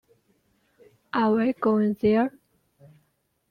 Are we going there?